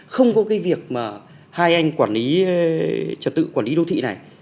không có cái việc mà hai anh quản lý trật tự quản lý đô thị này